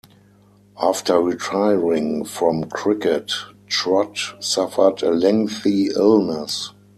After retiring from cricket, Trott suffered a lengthy illness.